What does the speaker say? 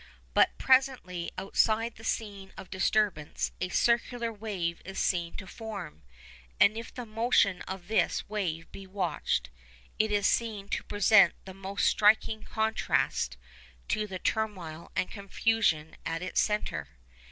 But presently, outside the scene of disturbance, a circular wave is seen to form, and if the motion of this wave be watched, it is seen to present the most striking contrast to the turmoil and confusion at its centre.